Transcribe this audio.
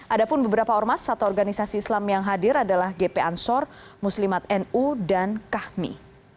ada pun beberapa ormas atau organisasi islam yang hadir adalah gp ansor muslimat nu dan kahmi